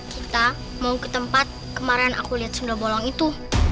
kita mau ke tempat kemarin aku lihat sunda bolong itu